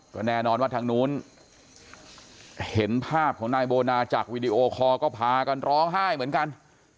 ก็แน่นอนว่าทางนู้นเห็นภาพของนายโบนาจากวีดีโอคอลก็พากันร้องไห้เหมือนกัน